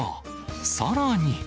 さらに。